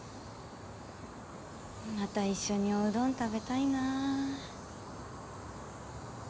また一緒におうどん食べたいなぁ。